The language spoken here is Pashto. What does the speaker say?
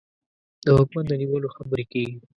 د حکومت د نیولو خبرې کېږي.